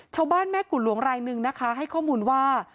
ชาวบ้านแม่กุหลวงรายหนึ่งนะคะให้ข้อมูลว่า